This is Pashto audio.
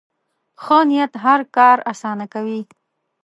ښه نیت هر کار اسانه کوي.